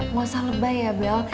nggak usah lebay ya bel